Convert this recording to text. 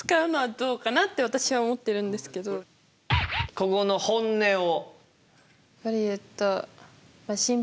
ここの本音を。